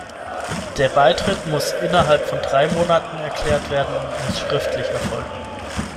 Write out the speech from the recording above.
Der Beitritt muss innerhalb von drei Monaten erklärt werden und muss schriftlich erfolgen.